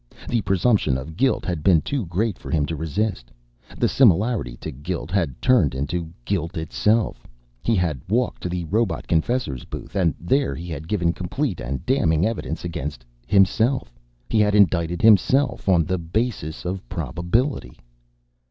The presumption of guilt had been too great for him to resist, the similarity to guilt had turned into guilt itself. He had walked to the robot confessor's booth, and there he had given complete and damning evidence against himself, had indicted himself on the basis of probability.